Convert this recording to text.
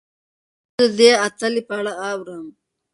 زه د دې اتلې په اړه اورم.